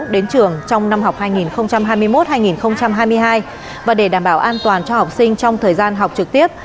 đến trường trong năm học hai nghìn hai mươi một hai nghìn hai mươi hai và để đảm bảo an toàn cho học sinh trong thời gian học trực tiếp